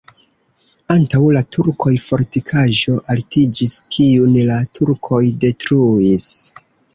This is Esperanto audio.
Antaŭ la turkoj fortikaĵo altiĝis, kiun la turkoj detruis.